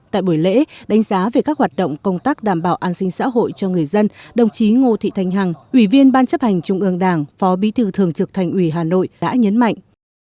tại buổi lễ đánh giá về các hoạt động công tác đảm bảo an sinh xã hội cho người dân đồng chí ngô thị thanh hằng ủy viên ban chấp hành trung ương đảng phó bí thư thường trực thành ủy hà nội đã nhấn mạnh